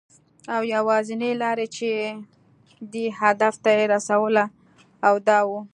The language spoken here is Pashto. او یوازېنۍ لاره چې دې هدف ته یې رسوله، دا وه .